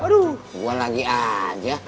aduh gue lagi aja